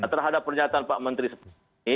terhadap pernyataan pak menteri seperti ini